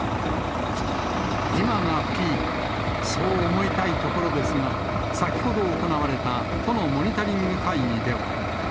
今がピーク、そう思いたいところですが、先ほど行われた都のモニタリング会議では。